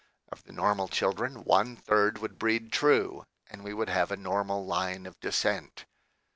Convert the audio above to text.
Of the normal children, one third would breed true and we would have a normal line of descent.